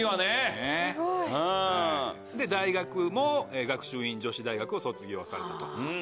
で大学も学習院女子大学を卒業されたと。